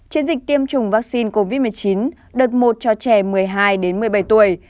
chiến dịch tiêm chủng vaccine covid một mươi chín đợt một cho trẻ một mươi hai một mươi bảy tuổi